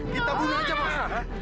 kita bunuh aja bos